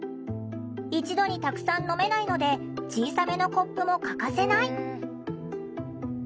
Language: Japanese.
一度にたくさん飲めないので小さめのコップも欠かせない。